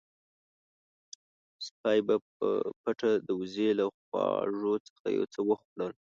سپی په پټه د وزې له خواږو څخه یو څه وخوړل.